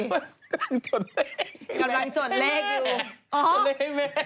กำลังจดเล่กให้แม่